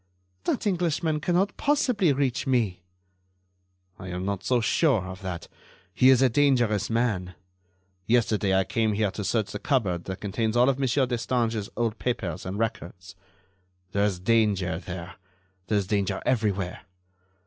"That Englishman cannot possibly reach me." "I am not so sure of that. He is a dangerous man. Yesterday I came here to search the cupboard that contains all of Monsieur Destange's old papers and records. There is danger there. There is danger everywhere.